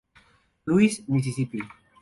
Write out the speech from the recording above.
Louis, Misisipi.